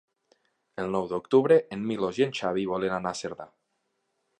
El nou d'octubre en Milos i en Xavi volen anar a Cerdà.